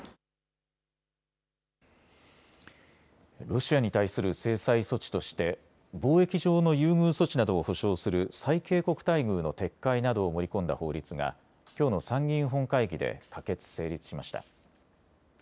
ロシアに対する制裁措置として貿易上の優遇措置などを保障する最恵国待遇の撤回などを盛り込んだ法律がきょうの参議院本会議で可決・成立しました。